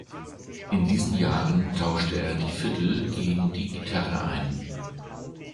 In diesen Jahren tauschte er die Fiddle gegen die Gitarre ein.